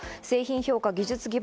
製品評価技術基盤